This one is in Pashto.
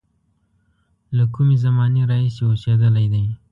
له کومې زمانې راهیسې اوسېدلی دی.